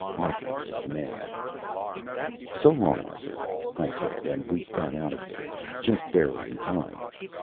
Arthur was mad. "So long, Arthur," I said, and we got out of there just barely in time.